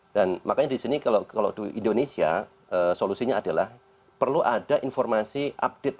dan makanya di sini kalau di indonesia solusinya adalah perlu ada informasi update